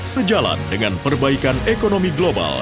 sejalan dengan perbaikan ekonomi global